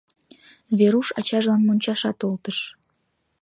Веруш ачажлан мончашат олтыш.